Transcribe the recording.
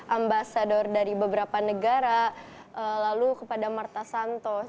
ambasador dari beberapa negara lalu kepada martha santos